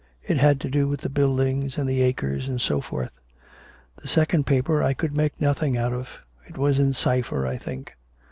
It had to do with the buildings and the acres, and so forth. The second paper I could make nothing out of; it was in cypher, I think.